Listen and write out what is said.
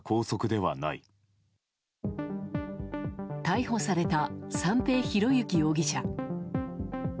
逮捕された三瓶博幸容疑者。